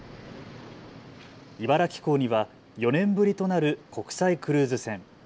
茨城港には４年ぶりとなる国際クルーズ船。